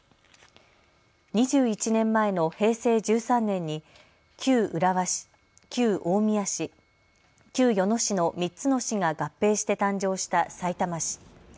２１年前の平成１３年に、旧浦和市、旧大宮市、旧与野市の３つの市が合併して誕生したさいたま市。